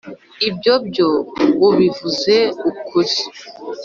Ibyo byo ubivuze ukuri